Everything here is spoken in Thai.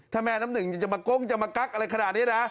ถ้าแม่น้ำหนึ่งจะมาก้งจะมากั๊กอะไรขนาดนี้นะ